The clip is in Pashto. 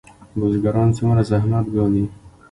بزګران څومره زحمت ګالي؟